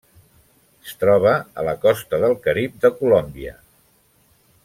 Es troba a la costa del Carib de Colòmbia.